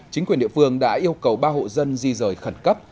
chính quyền địa phương đã yêu cầu ba hộ dân di rời khẩn cấp